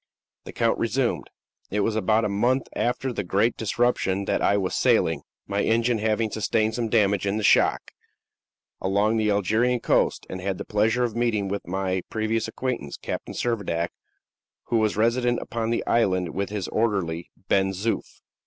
The count resumed: "It was about a month after the great disruption that I was sailing my engine having sustained some damage in the shock along the Algerian coast, and had the pleasure of meeting with my previous acquaintance, Captain Servadac, who was resident upon the island with his orderly, Ben Zoof."